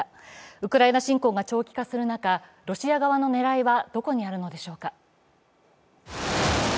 ウクライナ侵攻が長期化する中、ロシア側の狙いはどこにあるのでしょうか。